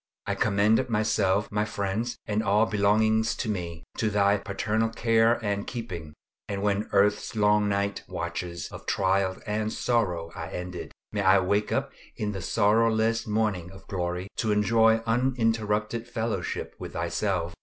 I commend myself, my friends, and all belonging to me, to Thy paternal care and keeping; and when earth's long night watches of trial and sorrow are ended, may I wake up in the sorrowless morning of glory, to enjoy uninterrupted fellowship with Thyself.